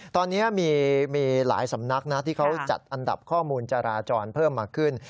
ตอนนี้มีหลายสำนักนะที่เขาจัดอันดับข้อมูลจราจรเพิ่มมาขึ้น